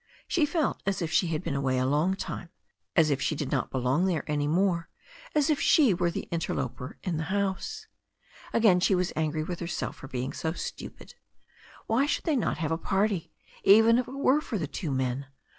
She felt as if she had been away a long time, as if she did not belong there any more, as if she were an interloper in the house. Again she was angry THE STORY OF A NEW ZEALAND RIVER 291 with herself for being so stupid. Why should they not have a party, even if it were for the two men?